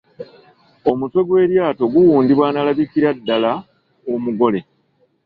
Omutwe gw’eryato guwundibwa n'alabikira ddala omugole.